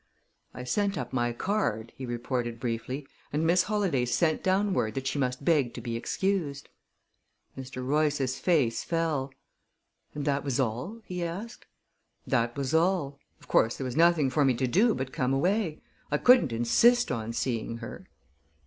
"I sent up my card," he reported briefly, "and Miss Holladay sent down word that she must beg to be excused." Mr. Royce's face fell. "And that was all?" he asked. "That was all. Of course, there was nothing for me to do but come away. I couldn't insist on seeing her."